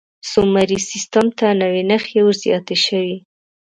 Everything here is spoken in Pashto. سومري سیستم ته نوې نښې ور زیاتې شوې.